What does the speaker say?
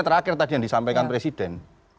terakhir tadi yang disampaikan presiden